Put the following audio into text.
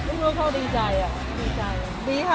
ผมต่างแหละไม่รู้เดี๋ยวดีใจอะดีใจดีค่ะ